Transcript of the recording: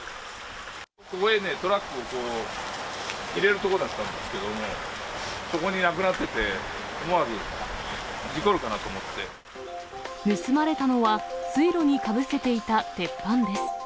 ここにね、トラックを入れるところだったんですけれども、そこになくなってて、思わず、盗まれたのは、水路にかぶせていた鉄板です。